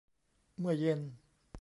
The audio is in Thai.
เมื่อเย็น